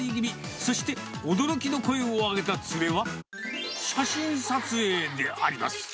そして驚きの声を上げた連れは、写真撮影であります。